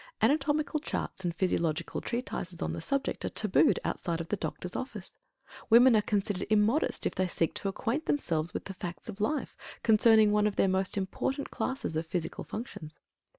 Anatomical charts and physiological treatises on the subject are tabooed outside of the doctor's office. Women are considered immodest if they seek to acquaint themselves with the facts of life concerning one of their most important classes of physical functions.